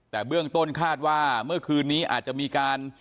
แต่เบื้องต้นคาดว่าเมื่อคืนนี้อาจจะมีการ